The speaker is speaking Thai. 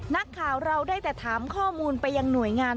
นักข่าวเราได้แต่ถามข้อมูลไปยังหน่วยงาน